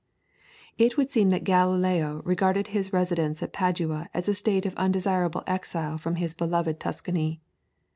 It would seem that Galileo regarded his residence at Padua as a state of undesirable exile from his beloved Tuscany.